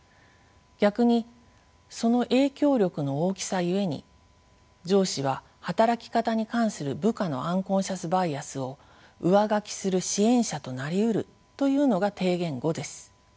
逆にその影響力の大きさゆえに上司は働き方に関する部下のアンコンシャスバイアスを「上書き」する支援者となりうるというのが提言５です。